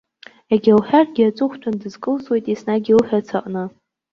Егьа лҳәаргьы, аҵыхәтәан дазкылсуеит еснагь илҳәац аҟны.